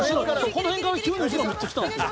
この辺から急に後ろめっちゃ来たんですよ］